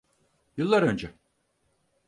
Yıllar önce.